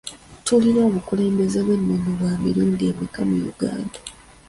Tulina obukulembeze bw'ennono bwa mirundi emeka mu Uganda?